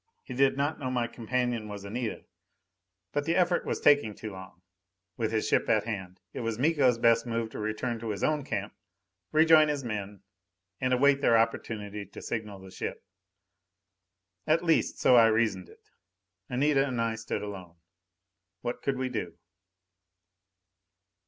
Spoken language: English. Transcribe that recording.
He did not know my companion was Anita. But the effort was taking too long; with his ship at hand, it was Miko's best move to return to his own camp, rejoin his men, and await their opportunity to signal the ship. At least, so I reasoned it. Anita and I stood alone. What could we do?